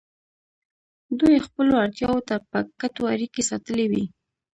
دوی خپلو اړتیاوو ته په کتو اړیکې ساتلې وې.